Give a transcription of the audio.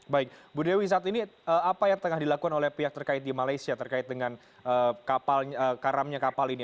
baik bu dewi saat ini apa yang tengah dilakukan oleh pihak terkait di malaysia terkait dengan karamnya kapal ini